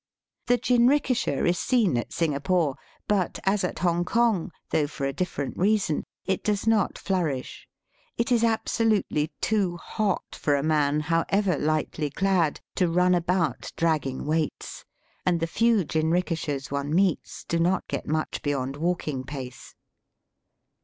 The jinrikisha is seen at Singapore, but, as at Hongkong, though for a different reason, it does not flourish. It is absolutely too hot for a man, however lightly clad, to run about dragging weights, and the few jinrikishas one meets do not get much beyond walking pace.